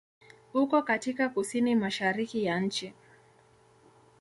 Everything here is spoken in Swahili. Uko katika kusini-mashariki ya nchi.